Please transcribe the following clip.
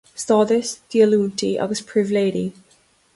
Stádas, Díolúintí agus Pribhléidí.